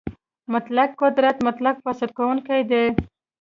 مطلق قدرت مطلق فاسد کوونکی دی.